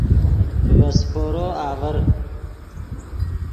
ڤے سیپورو آڤر